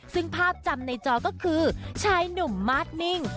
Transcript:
ซึ่งภาพจำในจอก็คือชายหนุ่มมาสนิ่ง